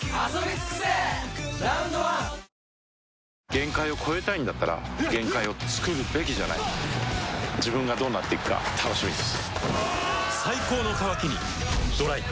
⁉限界を越えたいんだったら限界をつくるべきじゃない自分がどうなっていくか楽しみです